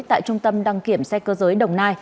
tại trung tâm đăng kiểm xe cơ giới đồng